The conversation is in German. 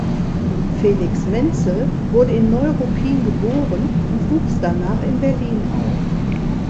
Felix Menzel wurde in Neuruppin geboren und wuchs danach in Berlin auf.